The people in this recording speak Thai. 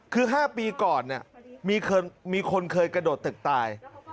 คือ๕ปีก่อนเนี่ยมีคนเคยกระโดดตึกตาย